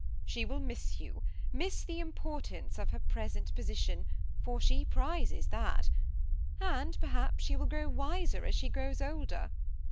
She will miss you, miss the importance of her present position, for she prizes that ; and perhaps she will grow wiser as she grows older.